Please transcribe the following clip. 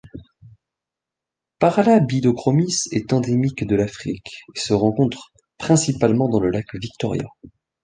Paralabidochromis est endémique de l'Afrique et ce rencontre principalement dans le lac Victoria.